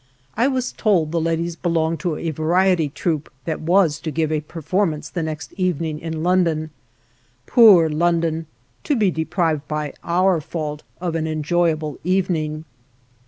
I was told the ladies belonged to a variety troupe that was to give a performance the next evening in London. Poor London, to be deprived by our fault of an enjoyable evening!